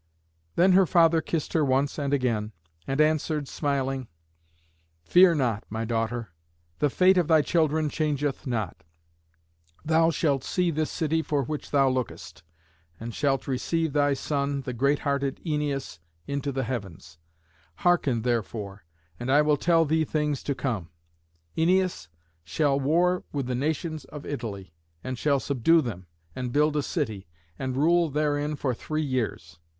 Then her father kissed her once and again, and answered smiling, "Fear not, my daughter, the fate of thy children changeth not. Thou shalt see this city for which thou lookest, and shalt receive thy son, the great hearted Æneas, into the heavens. Hearken, therefore, and I will tell thee things to come. Æneas shall war with the nations of Italy, and shall subdue them, and build a city, and rule therein for three years.